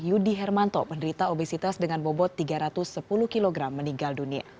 yudi hermanto penderita obesitas dengan bobot tiga ratus sepuluh kg meninggal dunia